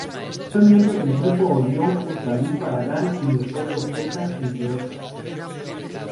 Fue miembro del Grupo Orión junto a Luis Barragán y Leopoldo Presas, entre otros.